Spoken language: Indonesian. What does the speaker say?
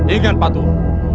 ingat pak tua